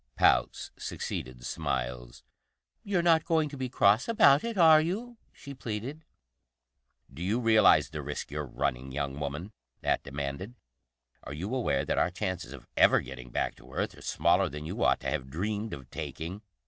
Pouts succeeded smiles. "You're not going to be cross about it, are you?" she pleaded. "Do you realize the risk you're running, young woman?" Nat demanded. "Are you aware that our chances of ever getting back to Earth are smaller than you ought to have dreamed of taking?"